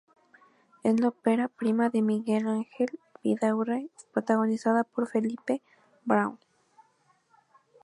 Es la ópera prima de Miguel Ángel Vidaurre, protagonizada por Felipe Braun.